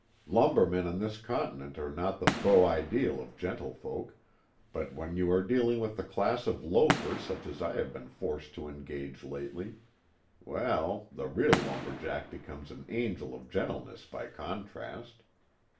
Lumbermen on this continent are not the beau ideal of gentlefolk, but when you are dealing with the class of loafer such as I have been forced to engage lately, well, the real lumber jack becomes an angel of gentleness by contrast.